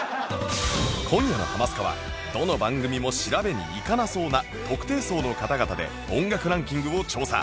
今夜の『ハマスカ』はどの番組も調べに行かなそうな特定層の方々で音楽ランキングを調査